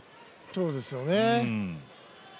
そうですね。